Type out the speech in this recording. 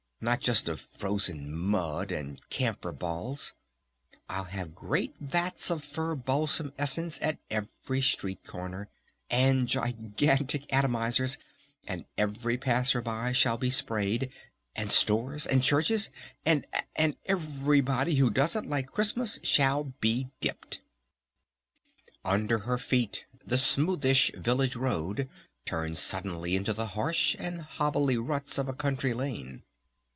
Not just of frozen mud! And camphor balls!... I'll have great vats of Fir Balsam essence at every street corner! And gigantic atomizers! And every passerby shall be sprayed! And stores! And churches! And And everybody who doesn't like Christmas shall be dipped!" Under her feet the smoothish village road turned suddenly into the harsh and hobbly ruts of a country lane.